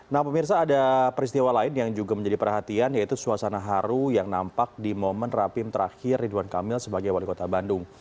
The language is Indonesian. nah pemirsa ada peristiwa lain yang juga menjadi perhatian yaitu suasana haru yang nampak di momen rapim terakhir ridwan kamil sebagai wali kota bandung